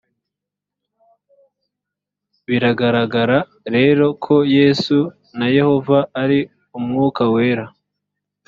biragaragara rero ko yesu na yehova ari umwuka wera